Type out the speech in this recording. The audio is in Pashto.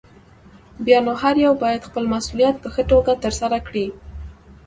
بيا نو هر يو بايد خپل مسؤليت په ښه توګه ترسره کړي.